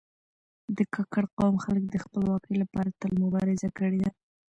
د کاکړ قوم خلک د خپلواکي لپاره تل مبارزه کړې ده.